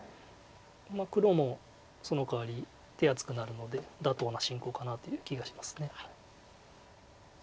黒もそのかわり手厚くなるので妥当な進行かなという気がします。